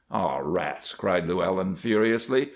"Aw, rats!" cried Llewellyn, furiously.